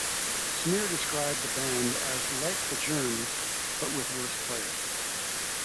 Smear described the band as "like the Germs, but with worse players".